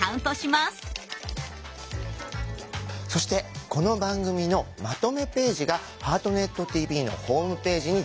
そしてこの番組のまとめページが「ハートネットＴＶ」のホームページにできました。